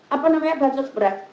apa namanya bahan sos berat